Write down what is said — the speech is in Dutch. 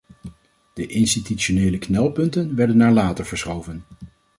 De institutionele knelpunten werden naar later verschoven.